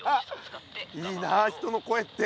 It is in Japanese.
いいな人の声って。